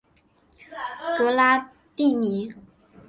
格拉蒂尼。